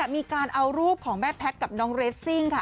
มีการเอารูปของแม่แพทย์กับน้องเรสซิ่งค่ะ